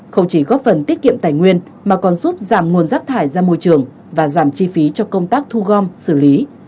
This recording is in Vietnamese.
không chỉ góp phần tiết kiệm tài nguyên mà còn giúp giảm nguồn rác thải ra môi trường và giảm chi phí cho công tác thu gom xử lý